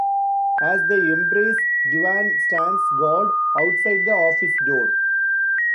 As they embrace, Duane stands guard outside the office door.